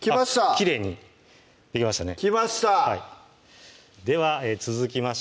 きれいに取れましたね